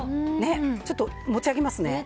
ちょっと持ち上げますね。